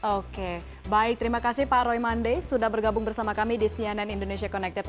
oke baik terima kasih pak roy mande sudah bergabung bersama kami di cnn indonesia connected